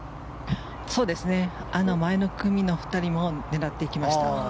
前の組の２人も狙っていきました。